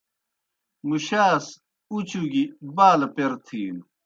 مُشاس اُچوگیْ بالہ پیر تِھینوْ۔